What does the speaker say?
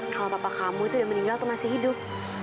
kalau papa kamu itu udah meninggal atau masih hidup